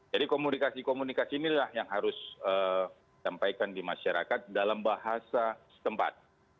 jadi komunikasi komunikasi inilah yang harus sampaikan di masyarakat dalam bahasa tempat